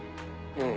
うん。